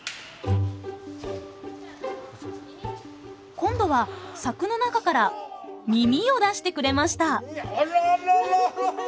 今度は柵の中から耳を出してくれました。